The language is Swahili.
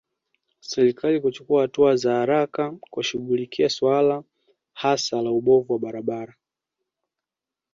Serikali kuchukua hatua za haraka kushughulikia suala hasa la ubovu wa barabara